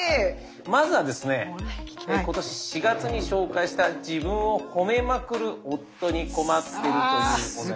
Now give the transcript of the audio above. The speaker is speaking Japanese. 今年４月に紹介した「自分を褒めまくる夫に困っている」というお悩みが。